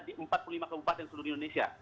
di empat puluh lima kabupaten seluruh indonesia